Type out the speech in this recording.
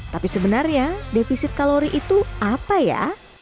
tapi sebenarnya defisit kalori itu apa ya